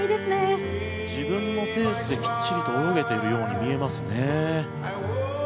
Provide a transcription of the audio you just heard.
自分のペースできっちりと泳げているように見えますね。